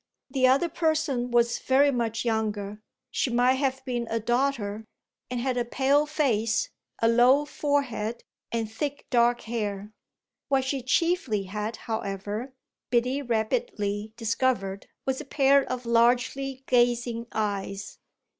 The other person was very much younger she might have been a daughter and had a pale face, a low forehead, and thick dark hair. What she chiefly had, however, Biddy rapidly discovered, was a pair of largely gazing eyes.